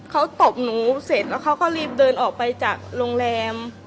เขาตบหนูเสร็จแล้วเขาก็รีบเดินออกไปจากโรงแรม